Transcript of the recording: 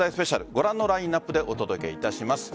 ご覧のラインナップでお届けいたします。